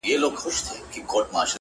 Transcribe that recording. • د موږك او د پيشو په منځ كي څه دي,